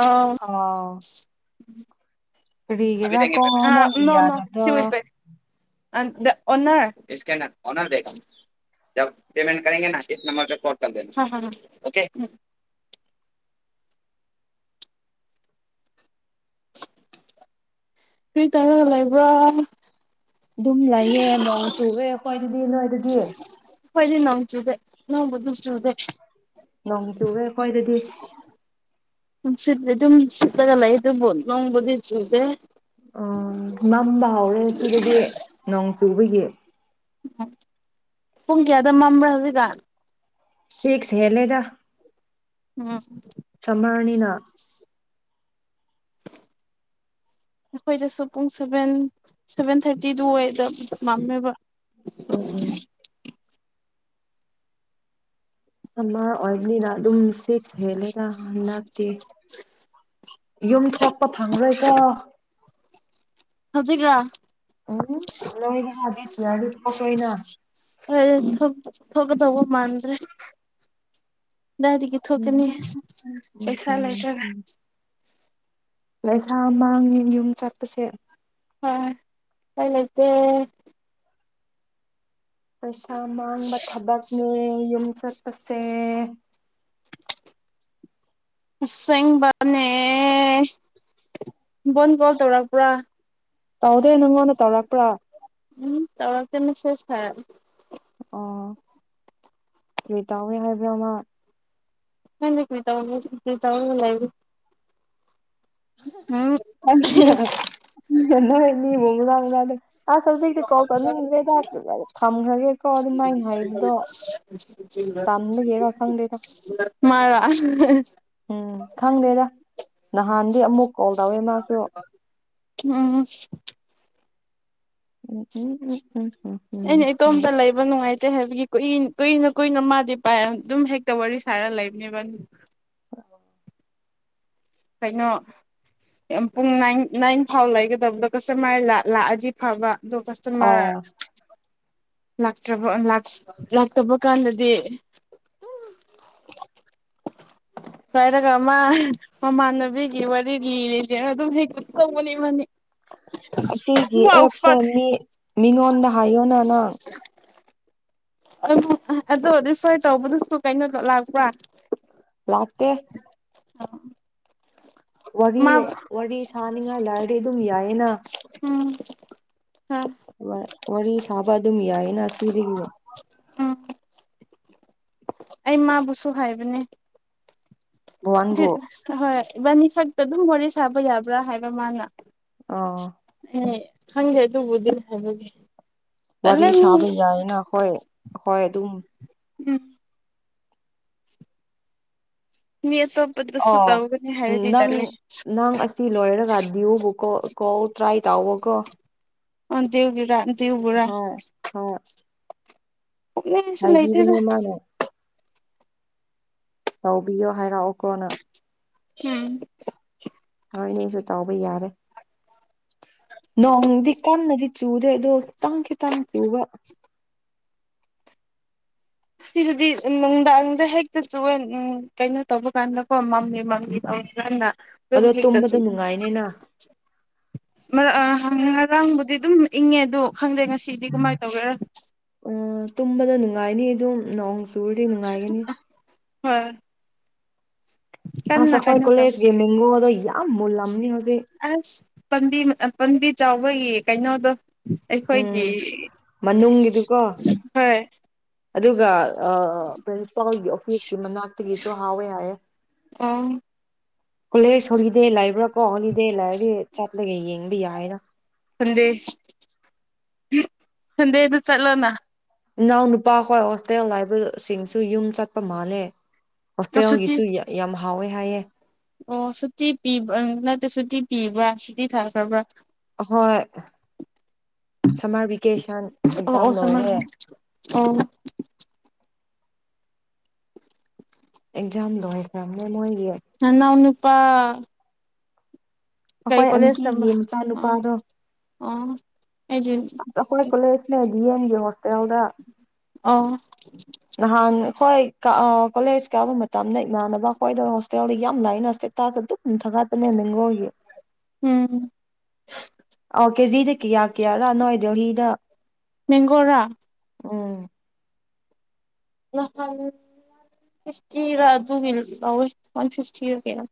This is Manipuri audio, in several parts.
ꯑꯥ ꯎꯝ ꯀꯔꯤꯒꯤꯔ ꯀꯣ ꯅꯪꯒꯤ ꯌꯥꯗꯕꯗꯣ [unintelligible] ꯀꯔꯤ ꯇꯧꯔ ꯂꯩꯕ꯭ꯔꯣ [unintelligible] ꯑꯗꯨꯗꯤꯌꯦ ꯐꯗꯤ ꯅꯣꯡ ꯆꯨꯗꯦ ꯅꯣꯡꯃꯆ ꯅꯣꯡ ꯆꯨꯔꯦ ꯀꯣꯏꯗꯗꯤ ꯅꯨꯡꯁꯤꯠ ꯑꯗꯨꯝ ꯁꯤꯠꯂꯒ ꯂꯩ ꯑꯗꯨꯕꯨ ꯅꯣꯡꯕꯨꯗꯤ ꯆꯨꯗꯦ ꯑꯣ ꯃꯝꯕ ꯍꯧꯥꯎꯔꯦ ꯁꯤꯗꯗꯤ ꯅꯣꯡ ꯀꯩꯕꯒꯤ ꯎ ꯄꯨꯡ ꯀꯌꯥꯗ ꯃꯝꯕ꯭ꯔꯥ ꯍꯧꯖꯤꯛꯀꯥꯟ ꯁꯤꯁ ꯍꯦꯂꯦꯗ ꯎꯝ ꯆꯧꯉꯥꯅꯤꯅ ꯑꯩꯈꯣꯏꯗꯁꯨ ꯄꯨꯡ ꯁꯚꯦꯟ ꯁꯚꯦꯟ ꯊꯥꯔꯇꯤꯗꯨ ꯑꯣꯏꯗ ꯃꯝꯃꯦꯕ ꯎꯝ ꯁꯝꯃꯔ ꯑꯣꯏꯕꯅꯤꯅ ꯑꯗꯨꯝ ꯁꯤꯠ ꯍꯦꯜꯂꯦꯗ ꯍꯟꯗꯛꯇꯤ ꯌꯨꯝ ꯊꯣꯛꯄ ꯐꯪꯔꯣꯏꯀꯣ ꯍꯧꯖꯤꯛꯔꯥ ꯎꯝ ꯂꯣꯏꯒꯦ ꯍꯥꯏꯗꯤ ꯊꯣꯛꯒ ꯇꯧꯕ ꯃꯥꯟꯗ꯭ꯔꯦ ꯀꯗꯥꯏꯗꯒꯤ ꯎꯝ ꯊꯣꯛꯀꯅꯤ ꯎꯝ ꯎꯝ ꯄꯩꯁꯥ ꯎꯝ ꯂꯩꯇꯔꯒ ꯎꯝ ꯄꯩꯁꯥ ꯃꯥꯡꯉꯦ ꯌꯨꯝ ꯆꯠꯄꯁꯦ ꯑꯥ ꯎꯄꯥꯏ ꯂꯩꯇꯦ ꯑꯁ ꯄꯩꯁꯥ ꯃꯥꯡꯕ ꯊꯕꯛꯅꯦ ꯌꯨꯝ ꯆꯠꯄꯁꯦ ꯑꯁꯦꯡꯕꯅꯦ ꯕꯣꯟ ꯀꯣꯜ ꯇꯧꯔꯛꯄ꯭ꯔꯥ ꯇꯧꯗꯦ ꯅꯪꯉꯣꯟꯗ ꯇꯧꯔꯛꯄ꯭ꯔꯥ ꯎꯝ ꯇꯧꯔꯛꯇꯦ ꯃꯦꯁꯦꯁ ꯊꯥꯔꯛꯑꯦ ꯑꯣ ꯀꯔꯤ ꯇꯧꯋꯦ ꯍꯥꯏꯕ꯭ꯔꯥ ꯃꯥ ꯈꯪꯗꯦ ꯀꯔꯤꯇꯧꯔꯤꯅꯣ ꯀ꯭ꯔꯤꯇꯧꯔ ꯂꯩ ꯎꯝ ꯑꯗꯨꯅ [unintelligible] ꯑꯁ ꯍꯧꯖꯤꯛꯛꯇꯤ ꯀꯣꯜ ꯊꯧꯅꯤꯡꯗ꯭ꯔꯦꯗ ꯊꯝꯈ꯭ꯔꯒꯦ ꯀꯣ ꯑꯗꯨꯃꯥꯏꯅ ꯍꯥꯏꯕꯗꯣ ꯇꯟꯕꯒꯤꯔ ꯈꯪꯗꯦꯗ ꯃꯥꯔꯣ ꯎꯝ ꯈꯪꯗꯦꯗ ꯅꯍꯥꯟꯗꯤ ꯑꯃꯨꯛ ꯀꯣꯜ ꯇꯧꯋꯦ ꯃꯥꯁꯨ ꯎꯝ [inaudible] ꯀꯦ ꯍꯥꯏꯕꯒꯤ ꯀꯨꯏ ꯀꯨꯏꯅ ꯀꯨꯏꯅ ꯃꯥꯗꯤ ꯄꯥꯏ ꯑꯗꯨꯝ ꯍꯦꯛꯇ ꯋꯥꯔꯤ ꯁꯥꯔ ꯂꯩꯕꯅꯦꯕ ꯀꯩꯅꯣ ꯌꯥꯝ ꯄꯨꯡ ꯅꯥꯏꯟ ꯅꯥꯏꯟ ꯐꯥꯎ ꯂꯩꯒꯗꯕꯗꯣ ꯀꯁꯇꯃꯔ ꯂꯥꯛꯑꯗꯤ ꯐꯕ ꯗꯣ ꯑꯣ ꯀꯁꯇꯃꯔ ꯂꯥꯛꯇ꯭ꯔꯕ ꯂꯥꯛꯇꯕ ꯀꯥꯟꯗꯗꯤ ꯍꯥꯏꯔꯒ ꯃꯥ ꯃꯃꯥꯟꯅꯕꯤꯒꯤ ꯋꯥꯔꯤ ꯂꯤꯔꯤꯅꯦꯅ ꯑꯗꯨꯝ ꯍꯦꯛ ꯇꯧꯕꯅꯤ ꯃꯥꯗꯤ ꯑꯁꯤꯒꯤ ꯋꯥꯎ ꯑꯦꯞꯁꯦ ꯐꯛ ꯃꯤ ꯃꯤꯉꯣꯟꯗ ꯍꯥꯏꯌꯣꯅ ꯅꯪ ꯑꯗꯨ ꯑꯗꯣ ꯔꯤꯐꯔ ꯇꯧꯕꯗꯨꯁꯨ ꯀꯩꯅꯣꯗ ꯂꯥꯛꯄ꯭ꯔꯥ ꯂꯥꯛꯇꯦ ꯑꯥ ꯋꯥꯔꯤ ꯋꯥꯔꯤ ꯁꯥꯅꯤꯡꯉꯥꯏ ꯂꯥꯏꯔꯗꯤ ꯑꯗꯨꯝ ꯌꯥꯏꯌꯦꯅ [inaudible] ꯋꯥ ꯋꯥꯔꯤ ꯁꯥꯕ ꯑꯗꯨꯝ ꯌꯥꯏꯌꯦꯅ ꯁꯤꯗꯩ ꯎꯝ ꯑꯩ ꯃꯥꯕꯨꯁꯨ ꯍꯥꯏꯕꯅꯦ ꯕꯋꯥꯟꯕꯨ ꯗꯤꯠ ꯍꯣꯏ ꯏꯕꯥꯅꯤ ꯐꯛꯇ ꯑꯗꯨꯝ ꯋꯥꯔꯤ ꯁꯥꯕ ꯌꯥꯕ꯭ꯔꯥ ꯍꯥꯏꯕ ꯃꯥꯅ ꯑꯥ ꯈꯪꯒꯦ ꯑꯗꯨꯕꯨꯗꯤ ꯍꯥꯏꯒꯅꯤ ꯋꯥꯔꯤ ꯁꯥꯕ ꯌꯥꯏꯅ ꯍꯣꯏ ꯍꯣꯏ ꯑꯗꯨꯝ ꯎꯝ ꯃꯤ ꯑꯇꯣꯞꯄꯗꯁꯨ ꯑꯣ ꯇꯧꯒꯅꯤ ꯍꯥꯏꯔꯗꯤ ꯅꯪ ꯇꯜꯂꯦ ꯅꯪ ꯑꯁꯤ ꯂꯣꯏꯔꯒ ꯗꯤꯌꯨꯕꯨ ꯀꯣ ꯀꯣꯟ ꯇ꯭ꯔꯥꯏ ꯇꯧꯑꯣꯀꯣ ꯑꯥꯗꯨꯒꯤꯔꯥ ꯇꯦꯕꯣꯔꯥ ꯍꯣꯏ ꯄꯨꯛꯅꯤꯡꯁꯨ ꯂꯩꯇꯦꯗ ꯍꯥꯏꯕꯤꯕꯅꯦ ꯃꯥꯅ ꯇꯧꯕꯤꯌꯣ ꯍꯥꯏꯔꯛꯑꯣꯀꯣꯅ ꯍꯝ ꯍꯥꯏꯅꯦꯁꯨ ꯇꯧꯕ ꯌꯥꯔꯦ ꯅꯣꯡꯗꯤ ꯀꯟꯅꯗꯤ ꯆꯨꯗꯦ ꯑꯗꯣ ꯈꯤꯇꯪ ꯈꯤꯇꯪ ꯆꯨꯕ ꯁꯤꯗꯨꯗꯤ ꯅꯨꯡꯗꯥꯡꯗ ꯍꯦꯛꯇ ꯆꯨꯑꯦ ꯎꯝ ꯀꯩꯅꯣ ꯇꯧꯕ ꯀꯥꯟꯗꯀꯣ ꯃꯝꯂꯤ ꯃꯝꯂꯤ ꯇꯧꯔꯀꯥꯟꯗ ꯑꯗꯣ ꯇꯨꯝꯕꯗ ꯒꯤ ꯅꯨꯡꯉꯥꯏꯅꯤꯅ ꯃ [unintelligible] ꯉꯔꯥꯡꯕꯨꯗꯤ ꯑꯗꯨꯝ ꯏꯪꯉꯦ ꯑꯗꯣ ꯈꯪꯗꯦ ꯉꯁꯤꯗꯤ ꯀꯃꯥꯏꯅ ꯇꯧꯒꯦꯔꯥ ꯀꯥꯏꯅꯤ ꯑꯗꯨꯝ ꯅꯣꯡ ꯇꯨꯔꯗꯤ ꯅꯨꯡꯉꯥꯏꯒꯅꯤ ꯍꯣꯏ ꯀꯟꯅ ꯑꯁ ꯑꯩꯈꯣꯏ ꯀꯩꯅꯣ ꯇꯧꯕꯅꯤ ꯀꯣꯂꯦꯖꯀꯤ ꯃꯤꯡꯒꯣ ꯗꯣ ꯌꯥꯝ ꯃꯨꯜꯂꯝꯅꯤ ꯍꯧꯖꯤꯛ ꯑꯁ ꯄꯥꯝꯕꯤ ꯄꯥꯝꯕꯤ ꯆꯥꯎꯕꯒꯤ ꯀꯩꯅꯣꯗꯣ ꯑꯩꯈꯣꯏꯒꯤ ꯎꯝ ꯃꯅꯨꯡꯒꯤꯗꯨꯀꯣ ꯍꯣꯏ ꯑꯗꯨꯒ ꯑ ꯄ꯭ꯔꯤꯟꯁꯤꯄꯥꯜꯒꯤ ꯑꯣꯐꯤꯁꯀꯤ ꯃꯅꯥꯛꯇꯒꯤꯁꯨ ꯍꯥꯎꯋꯦ ꯍꯥꯏꯌꯦ ꯑꯣ ꯀꯂꯦꯁꯗ ꯍꯧꯔꯤ ꯗꯦ ꯂꯥꯏꯕ꯭ꯔꯥ ꯀꯣꯍꯣꯂꯤꯗꯦ ꯂꯥꯩꯔꯗꯤ ꯆꯠ ꯂꯩꯒ ꯌꯦꯡꯕ ꯌꯥꯏꯗ ꯍꯟꯗꯦ ꯁꯟꯗꯦ ꯑꯗꯨ ꯆꯠꯂꯣꯅꯥ ꯏꯅꯥꯎ ꯅꯨꯄꯥꯈꯣꯏ ꯍꯣꯁꯇꯦꯜ ꯍꯥꯏꯕ ꯁꯤꯡꯁꯨ ꯌꯨꯝ ꯆꯠꯄ ꯃꯥꯜꯂꯦ ꯁꯨꯇꯤ ꯍꯣꯁꯇꯦꯜꯒꯤꯁꯨꯨ ꯌꯥꯝ ꯍꯥꯎꯋꯦ ꯍꯥꯏꯑꯦ ꯑꯣ ꯁꯨꯇꯤ ꯄꯤꯕ ꯅꯠꯇꯦ ꯁꯨꯇꯤ ꯄꯤꯕ꯭ꯔꯥ ꯁꯨꯇꯤ ꯊꯥꯈ꯭ꯔꯕ꯭ꯔꯥ ꯑꯍꯣꯏ ꯁꯝꯃꯔ ꯚꯦꯀꯦꯁꯟ ꯑꯣ ꯑꯦꯛꯖꯥꯝ ꯑꯣ ꯁꯝꯃꯔ ꯂꯣꯏꯔꯦ ꯑꯣ ꯑꯦꯛꯖꯥꯝ ꯂꯣꯢꯈ꯭ꯔꯝꯅꯦ ꯃꯣꯏ ꯅꯅꯥꯎ ꯅꯨꯞ ꯄꯥ ꯑꯩꯈꯣꯏ ꯑꯟꯇꯤꯒꯤ ꯃꯆꯥꯅꯨꯄꯥꯗꯣ ꯑ ꯑꯩꯒꯤ ꯑꯟ ꯇꯤ [unintelligible] ꯀꯂꯦꯖꯅꯦ ꯗꯤ ꯑꯦꯝꯒꯤ ꯍꯣꯁꯇ ꯇꯦꯜꯗ ꯑꯣ ꯅꯍꯥꯟ ꯑꯈꯣꯏ ꯀꯥ ꯀꯣꯂꯦꯖ ꯀꯥꯕ ꯃꯇꯝꯗ ꯏꯃꯅꯕ ꯈꯣꯏꯗꯣ ꯍꯣꯁꯇꯦꯜꯗ ꯌꯥꯝ ꯂꯥꯏꯟ ꯁ꯭ꯇꯦꯇꯁ ꯑꯗꯨꯝ ꯊꯥꯒꯠ ꯄꯅꯦ ꯃꯣꯢꯒꯤ ꯎꯝ ꯑꯧ ꯀꯦꯖꯤꯗ ꯀꯌꯥ ꯀꯌꯥ ꯔꯥ ꯅꯣꯏ ꯗꯦꯜꯂꯤꯗ ꯃꯦꯡꯒꯣꯔꯥ ꯎꯝ ꯐꯤꯐꯇꯤꯔ ꯑꯗꯨꯒꯤ ꯇꯧꯑꯦ ꯋꯥꯟ ꯐꯤꯐꯇꯤꯔ ꯀꯌꯥꯅꯣ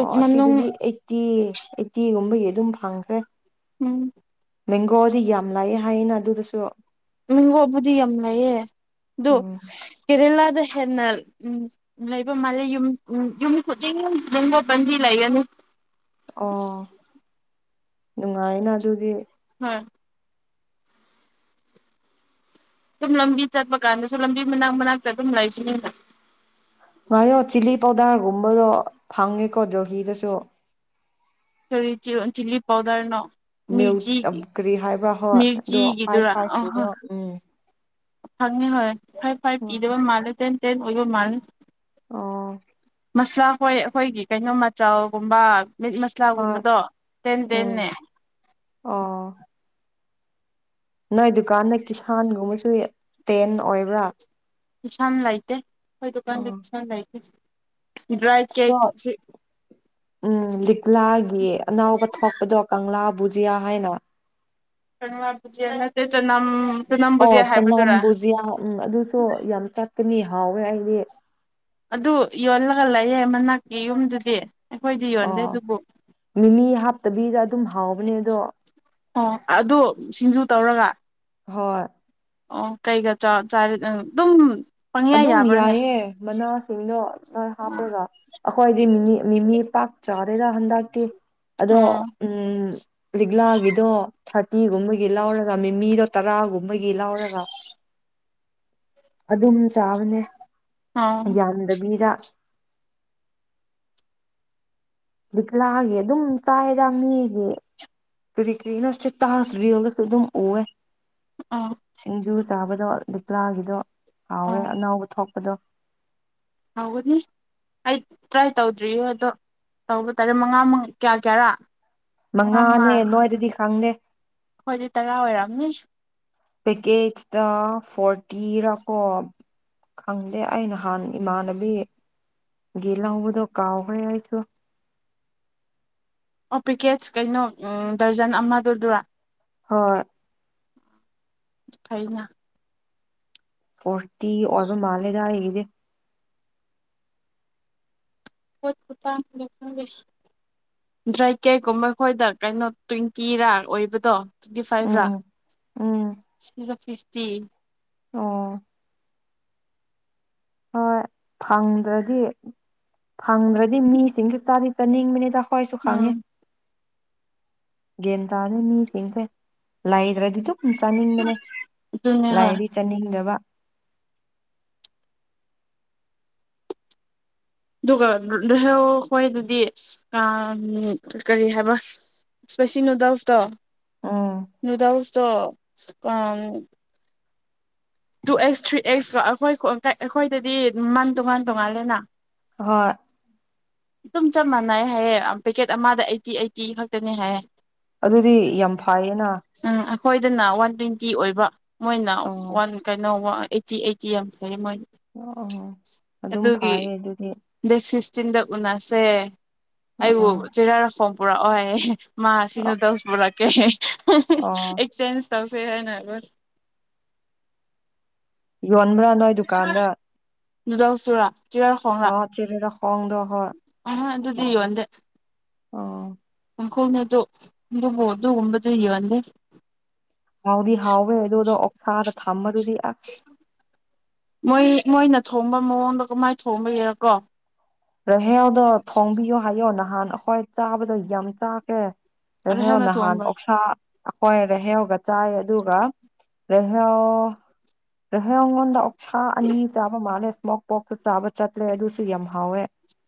ꯑꯣ ꯑꯁꯤꯗꯗꯤ ꯑꯩꯠꯇꯤ ꯑꯩꯠꯇꯤꯒꯨꯝꯕꯒꯤ ꯑꯗꯨꯝ ꯐꯪꯈ꯭ꯔꯦ ꯎꯝ ꯃꯦꯡꯒꯣꯗꯤ ꯌꯥꯝ ꯂꯥꯛꯑꯦ ꯍꯥꯏꯌꯦꯅ ꯑꯗꯨꯗꯁꯨ ꯃꯤꯡꯒꯣꯕꯨꯗꯤ ꯌꯥꯝ ꯂꯩꯌꯦ ꯑꯗꯨ ꯎꯝ ꯀꯦꯔꯦꯂꯥꯗ ꯍꯦꯟꯅ ꯎꯝ ꯂꯩꯕ ꯃꯥꯜꯂꯦ ꯌꯨꯝ ꯌꯨꯝ ꯈꯨꯗꯤꯡ ꯃꯦꯡꯒꯣ ꯄꯥꯝꯕꯤ ꯂꯩꯒꯅꯤ ꯑꯣ ꯅꯨꯡꯉꯥꯏꯅ ꯑꯗꯨꯗꯤ ꯎꯝ ꯑꯗꯨꯝ ꯂꯝꯕꯤ ꯆꯠꯄ ꯀꯥꯟꯗꯁꯨ ꯂꯝꯕꯤ ꯃꯅꯥꯛ ꯃꯅꯥꯛꯇ ꯑꯗꯨꯝ ꯂꯩꯁꯅꯤꯅ ꯉꯌꯣ ꯆꯤꯂꯤ ꯄꯥꯎꯗꯔ ꯨꯒꯨꯝꯕꯗꯣ ꯐꯪꯉꯦꯀꯣ ꯗꯦꯜꯍꯤꯗꯁꯨ ꯀꯔꯤ ꯆꯤꯜ ꯆꯤꯂꯤ ꯄꯥꯎꯗꯔꯅꯣ ꯃ꯭ꯌꯨ ꯇꯝ ꯃꯤꯔꯆꯤꯒꯤ ꯀꯔꯤ ꯍꯥꯏꯕ꯭ꯔꯥ ꯍꯣꯏ ꯑꯗꯣ ꯃꯤꯔꯆꯤꯒꯤꯗꯨꯔꯥ ꯐꯥꯏꯐ ꯐꯥꯏꯐ ꯀꯤꯗꯣ ꯎꯝ ꯊꯅꯤ ꯍꯣꯏ ꯐꯥꯏꯐ ꯐꯥꯏꯐ ꯑꯣ ꯀꯤꯗꯣ ꯃꯥꯂꯦ ꯇꯦꯟ ꯇꯦꯟ ꯑꯣꯏꯕ ꯃꯥꯜꯂꯦ ꯑꯣ ꯃꯁꯂꯥ ꯍꯣꯏ ꯑꯩꯈꯣꯏꯒꯤ ꯀꯩꯅꯣ ꯃꯆꯜꯒꯨꯝꯕ ꯃꯤꯠ ꯍꯣꯏ ꯃꯁꯂꯥꯒꯨꯝꯕꯗꯣ ꯇꯦꯟ ꯎꯝ ꯇꯦꯟꯅꯦ ꯑꯣ ꯅꯣꯏ ꯗꯨꯀꯥꯟꯗ ꯀꯤꯁꯥꯟꯒꯨꯝ ꯇꯨ ꯇꯦꯟ ꯑꯣꯏꯕ꯭ꯔꯥ ꯏꯁꯥꯅ ꯂꯩꯇꯦ ꯑꯈꯣꯏ ꯗꯨꯀꯥꯟꯗ ꯑꯣ ꯀꯤꯁꯟ ꯂꯩꯇꯦ ꯗ꯭ꯔꯥꯏ ꯀꯦꯛ ꯑꯗꯣ ꯎꯝ ꯂꯤꯛꯂꯥꯒꯤ ꯑꯅꯧꯕ ꯊꯣꯛꯄꯗꯣ ꯀꯪꯂꯥ ꯕꯨꯖꯤꯌꯥ ꯍꯥꯏꯅ ꯀꯪꯂꯥ ꯕꯨꯖꯤꯌꯥ ꯅꯠꯇꯦ ꯆꯅꯝ ꯆꯅꯝ ꯑꯣ ꯕꯨꯖꯤꯌꯥ ꯆꯅꯝ ꯍꯥꯏꯕꯗꯨꯔꯥ ꯕꯨꯖꯤꯌꯥ ꯎꯝ ꯑꯗꯨꯁꯨ ꯌꯥꯝ ꯆꯠꯀꯅꯤ ꯍꯥꯎꯋꯦ ꯑꯩꯗꯤ ꯑꯗꯨ ꯌꯣꯜꯂꯒ ꯂꯩꯌꯦ ꯃꯅꯥꯛꯀꯤ ꯌꯨꯝꯗꯨꯗꯤ ꯑꯩꯈꯣꯏꯗꯤ ꯌꯣꯟꯗꯦ ꯑꯣ ꯑꯗꯨꯕꯨ ꯃꯤꯃꯤ ꯍꯥꯞꯇꯕꯤꯗ ꯑꯗꯨꯝ ꯍꯥꯎꯕꯅꯦ ꯑꯗꯣ ꯑꯣ ꯑꯗꯨ ꯁꯤꯡꯖꯨ ꯇꯧꯔꯒ ꯍꯣꯏ ꯑꯣ ꯀꯩꯒꯥ ꯆꯥ ꯆꯥꯔꯤ ꯑꯗꯨꯝ ꯄꯪꯌꯥ ꯑꯗꯨꯝ ꯌꯥꯕ꯭ꯔꯥꯅꯦ ꯌꯥꯏꯌꯦ ꯃꯅꯥꯁꯤꯡꯗꯣ ꯈ꯭ꯔ ꯑꯣ ꯍꯥꯞꯄ꯭ꯔꯒ ꯑꯩꯈꯣꯏꯗꯤ ꯃꯤꯅꯤ ꯃꯤꯃꯤ ꯄꯥꯛ ꯆꯥꯗꯦꯗ ꯍꯟꯗꯛꯇꯤ ꯑꯗꯣ ꯑꯣ ꯎꯝ ꯂꯤꯛꯂꯥꯒꯤꯗꯣ ꯊꯔ ꯃꯤꯒꯨꯝꯕꯒꯤ ꯂꯧꯔꯒ ꯃꯤꯃꯤꯗꯣ ꯇꯔꯥꯒꯨꯝꯕꯒꯤ ꯂꯧꯎꯔꯒ ꯑꯗꯨꯝ ꯆꯥꯕꯅꯦ ꯌꯥꯝꯗꯕꯤꯗ ꯂꯤꯛꯂꯥꯒꯤ ꯑꯗꯨꯝ ꯆꯥꯏꯗ ꯃꯤꯒꯤ ꯀ꯭ꯔꯤ ꯀꯔꯤꯅꯣ ꯁꯇꯦꯇꯥꯁ ꯔꯤꯂꯗꯁꯨ ꯑꯗꯨꯝ ꯑꯨꯌꯦ ꯑꯣ ꯁꯤꯡꯖꯨ ꯆꯥꯕꯗꯣ ꯂꯤꯛꯂꯥꯒꯤꯗꯣ ꯍꯥꯎꯋꯦ ꯑꯣ ꯑꯅꯧꯕ ꯊꯣꯛꯄꯗꯣ ꯍꯥꯎꯒꯅꯤ ꯑꯩ ꯇ꯭ꯔꯥꯏ ꯇꯧꯗ꯭ꯔꯤꯌꯣ ꯑꯗꯣ ꯇꯧꯕ ꯇꯥꯔꯦ ꯃꯉꯥ ꯀꯌꯥ ꯀꯌꯥꯔꯥ ꯃꯉꯥ ꯃꯉꯥꯔ ꯃꯉꯥꯅꯦ ꯅꯣꯏꯗꯗꯤ ꯈꯪꯗꯦ ꯍꯣꯏꯗꯤ ꯇꯔꯥ ꯑꯣꯏꯔꯛꯑꯝꯅꯤ ꯄꯦꯛꯀꯦꯖꯇ ꯐꯣꯔꯇꯤꯔꯥꯀꯣ ꯈꯪꯗꯦ ꯑꯩ ꯅꯍꯥꯟ ꯏꯃꯥꯟꯅꯕꯤ ꯒꯤ ꯂꯧꯕꯗꯣ ꯀꯥꯎꯈ꯭ꯔꯦ ꯑꯩꯁꯨ ꯑꯣ ꯄꯦꯛꯀꯦꯠꯁ ꯀꯩꯅꯣ ꯎꯝ ꯗꯔꯖꯟ ꯑꯃꯗꯨꯗꯨꯔꯥ ꯍꯣꯏ ꯐꯩꯅ ꯍꯣꯏ ꯇꯤ ꯑꯣꯏꯕ ꯃꯥꯂꯦꯗ ꯑꯩꯒꯤꯗꯤ ꯄꯣꯠ ꯈꯨꯇꯥꯡꯁꯤꯒ ꯈꯪꯗꯦ ꯗ꯭ꯔꯥꯏ ꯀꯦꯒꯨꯝꯕ ꯑꯩꯈꯣꯏꯗ ꯀꯩꯅꯣ ꯇ꯭ꯋꯦꯟꯇꯤꯔꯥ ꯑꯣꯏꯕꯗꯣ ꯇ꯭ꯋꯦꯟꯗꯤ ꯐꯥꯏꯚꯔꯥ ꯎꯝ ꯎꯝ ꯁꯤꯡꯒ ꯐꯤꯁ ꯇꯤ ꯑꯣ ꯍꯣꯏ ꯐꯪꯗ꯭ꯔꯗꯤ ꯐꯪꯗ꯭ꯔꯗꯤ ꯃꯤꯁꯤꯡꯁ ꯆꯥꯗꯤ ꯆꯥꯅꯤꯡꯕꯅꯤꯗ ꯍꯣꯏꯁꯨ ꯈꯥꯡꯉꯤ ꯎꯝ ꯒꯦꯟꯇꯥꯗꯦ ꯃꯤꯁꯤꯡꯁꯦ ꯂꯥꯏꯗ꯭ꯔꯗꯤ ꯑꯗꯨꯝ ꯆꯥꯅꯤꯡꯕꯅꯦ ꯑꯗꯨꯅꯦ ꯍꯣꯏ ꯂꯥꯏꯔꯗꯤ ꯆꯥꯅꯤꯡꯗꯕ ꯑꯗꯨꯒ ꯔꯍ ꯍꯣꯏꯗꯗꯤ ꯑꯥ ꯀꯔꯤ ꯍꯥꯏꯕ ꯏꯁꯄꯦꯁꯤ ꯅꯨꯗꯜꯁꯇꯣ ꯎꯝ ꯅꯨꯗꯜꯁꯇꯣ ꯇꯨ ꯑꯦꯛꯁ ꯊ꯭ꯔꯤ ꯑꯦꯛꯁ ꯀꯣ ꯑꯩꯈꯣꯏ ꯑꯩꯈꯣꯏꯗꯗꯤ ꯃꯟ ꯇꯣꯉꯥꯟ ꯇꯣꯉꯥꯜꯂꯦꯅ ꯍꯣꯏ ꯑꯗꯨꯝ ꯆꯞ ꯃꯥꯟꯅꯩ ꯍꯥꯏꯌꯦ ꯄꯦꯀꯦꯠ ꯑꯃꯗ ꯑꯩꯠꯇꯤ ꯑꯩꯠꯇꯤ ꯈꯛꯇꯅꯤ ꯍꯥꯏꯌꯦ ꯑꯗꯨꯗꯤ ꯌꯥꯝ ꯐꯩꯌꯦꯅ ꯁꯣꯏꯗꯅ ꯂꯥꯛꯑꯣ ꯋꯥꯟ ꯇ꯭ꯋꯦꯟꯇꯤ ꯑꯣꯏꯕ ꯃꯣꯏꯅ ꯑꯣ ꯋꯥꯟ ꯀꯩꯅꯣ ꯋꯥ ꯑꯩꯇꯤ ꯑꯩꯇꯤ ꯑ ꯀꯩꯗꯣꯉꯩ ꯑꯣ ꯑꯗꯨꯝ ꯑꯗꯨꯒꯤ ꯐꯩꯌꯦ ꯑꯗꯨꯗꯤ ꯗꯦꯠ ꯁꯤꯁ ꯆꯤꯟꯗ ꯎꯅꯁꯦ ꯑꯣꯕꯨ ꯑꯥ ꯆꯤꯔꯥꯈꯣꯡ ꯄꯨꯔꯥ ꯑꯣꯏ ꯃꯥꯁꯤꯒ ꯑꯣ ꯗꯁ ꯕꯥꯍꯠ ꯀꯦ ꯍ ꯍ ꯍ ꯑꯣ ꯑꯦꯁꯆꯦꯟꯖ ꯇꯧ ꯁ ꯍꯥꯏꯅꯕ ꯌꯣꯟꯕ꯭ꯔꯥ ꯅꯣꯏ ꯗꯨꯀꯥꯟꯗ ꯅꯨꯗ꯭ꯟꯁ ꯆꯨꯔꯥ ꯆꯤꯔꯔ ꯈꯣꯡ꯭ꯔꯥ ꯍꯥꯎ ꯆꯦꯔꯦꯔꯥ ꯈꯣꯡꯗꯣ ꯍꯣꯏ ꯑ ꯑꯗꯨꯗꯤ ꯌꯣꯟꯗꯦ ꯑꯣ ꯀꯥꯡꯈꯣꯅ ꯑꯗꯨ ꯑꯗꯨꯕꯨ ꯑꯗꯨꯒꯨꯝꯕꯗꯨ ꯌꯣꯟꯗꯦ ꯍꯥꯎꯗꯤ ꯍꯥꯎꯋꯦ ꯑꯗꯨ ꯑꯗꯨꯗꯣ ꯑꯣꯁꯥꯗ ꯊꯝꯃꯗꯨꯗꯤ ꯑꯁ ꯃꯣꯏ ꯃꯣꯏꯅ ꯊꯣꯡꯕ ꯃꯑꯣꯡꯗ ꯀꯃꯥꯏꯅ ꯊꯣꯡꯕ ꯌꯥꯔꯀꯣ ꯑ [inaudible] ꯍꯦꯜꯗꯣ ꯊꯣꯡꯕꯤꯌꯣ ꯍꯥꯏꯌꯣ ꯅꯪ ꯅꯍꯥꯟ ꯑꯈꯣꯏ ꯆꯥꯕꯗꯣ ꯌꯥꯝ ꯆꯥꯈꯦ ꯔ ꯍꯦ ꯑꯔꯍꯦꯜꯅ ꯅꯍꯥꯟ ꯊꯣꯡꯕ ꯑꯣꯛꯁꯥ ꯑꯩꯈꯣꯏ ꯔꯥꯍꯦꯜꯒ ꯆꯥꯏ ꯑꯗꯨꯒ ꯔꯍꯦꯜ ꯔꯍꯧ ꯑꯩꯉꯣꯟꯗ ꯑꯣꯞꯁꯥ ꯑꯅꯤ ꯆꯥꯕ ꯃꯥꯜꯂꯦ ꯏꯁꯃꯣꯛ ꯄꯣꯛꯁꯨ ꯆꯥꯕ ꯆꯠꯇꯂ꯭ꯦ ꯑꯗꯨꯁꯨ ꯌꯥꯝ ꯍꯥꯎꯋꯦ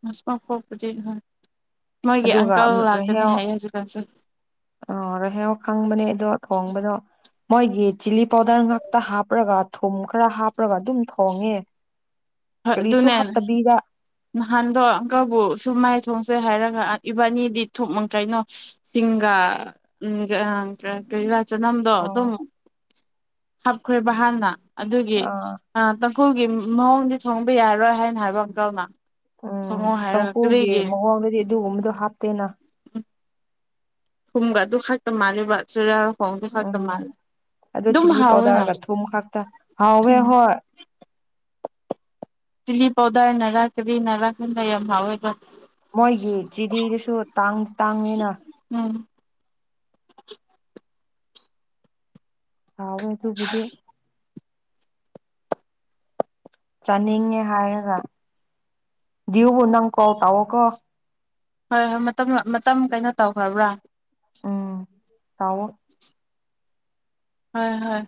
ꯃꯁꯃꯛ ꯄꯣꯛꯄꯗꯤ ꯍꯣꯏ ꯃꯣꯏꯒꯤ ꯑꯗꯨꯒ ꯑꯪꯀꯜ ꯔꯍꯌꯥ ꯂꯥꯛꯀꯅꯤ ꯍꯥꯏꯌꯦ ꯍꯧꯖꯤꯛꯀꯥꯟꯁꯦ ꯑꯥ ꯔꯍꯌꯥꯎ ꯈꯪꯕꯅꯦ ꯑꯗꯣ ꯊꯣꯡꯕꯗꯣ ꯃꯣꯏꯒꯤ ꯆꯤꯂꯤ ꯄꯥꯎꯗꯔ ꯉꯥꯛꯇ ꯍꯥꯞꯔꯒ ꯊꯨꯝ ꯈꯔ ꯍꯥꯞꯔꯒ ꯑꯗꯨꯝ ꯊꯣꯡꯉꯦ ꯍꯣꯏ ꯀꯔꯤꯁꯨ ꯑꯗꯨꯅꯦ ꯍꯥꯞꯇꯕꯤꯗ ꯅꯍꯥꯟ ꯑꯗꯣ ꯑꯪꯀꯜꯕꯨ ꯁꯨꯝꯃꯥꯏ ꯊꯣꯡꯁꯦ ꯍꯥꯏꯔꯒ ꯏꯕꯥꯅꯤꯗꯤ ꯊꯨꯝ ꯀꯩꯅꯣ ꯆꯤꯡꯒ ꯎꯝ [unintelligible] ꯆꯅꯝꯗꯣ ꯑꯥ ꯑꯗꯨꯝ ꯍꯥꯞꯈ꯭ꯔꯦꯕ ꯍꯥꯟꯅ ꯑꯗꯨꯒꯤ ꯑꯥ ꯑꯥꯇꯪ [inaudible] ꯃꯑꯣꯡꯗꯤ ꯊꯣꯡꯕ ꯌꯥꯔꯔꯣꯏ ꯍꯥꯏꯅ ꯍꯥꯏꯕ ꯑꯪꯀꯜꯅ ꯎꯝ ꯊꯣꯡꯉꯣ ꯍꯥꯏꯔꯒ ꯇꯥꯡꯈꯨꯜꯒꯤ ꯀꯔꯤꯒꯤ ꯃꯑꯣꯡꯗꯗꯤ ꯑꯗꯨꯒꯨꯝꯕꯗꯣ ꯍꯥꯞ__ ꯇꯦꯟꯅ ꯊꯨꯝꯒ ꯑꯗꯨꯈꯛꯇ ꯃꯥꯜꯂꯦꯕ ꯆꯦꯔꯥ__ ꯎꯝ ꯑꯗꯨ ꯆꯤꯂꯤ ꯍꯥꯎꯋꯦꯅ ꯄꯥꯎꯗꯔꯒ ꯊꯨꯝ ꯈꯛꯇ ꯍꯥꯎꯋꯦ ꯎꯝ ꯍꯣꯏ ꯆꯤꯂꯤ ꯄꯥꯎꯗꯔ ꯅꯒꯥ ꯆꯤꯂꯤ ꯅꯒꯥ ꯈꯟꯕ ꯌꯥꯝ ꯍꯥꯎꯑꯦꯕ ꯃꯣꯏꯒꯤ ꯆꯤꯂꯤꯗꯨꯁꯨ ꯇꯥꯡ ꯇꯥꯡꯉꯤꯅ ꯎꯝ ꯍꯥꯎꯋꯦ ꯑꯗꯨꯨꯕꯨꯗꯤ ꯆꯥꯅꯤꯡꯉꯦ ꯍꯥꯏꯔꯒ [inaudible] ꯅꯪ ꯀꯣꯜ ꯇꯥꯎꯑꯣꯀꯣ ꯍꯣꯏ ꯍꯣꯏ ꯃꯇꯝ ꯃꯇꯝ ꯀꯩꯅꯣ ꯇꯧꯈ꯭ꯔꯕ꯭ꯔꯥ ꯎꯝ [unintelligible] ꯍꯥꯏ ꯍꯥꯏ